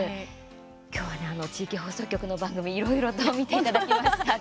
今日はね、地域放送局の番組いろいろと見ていただきましたが。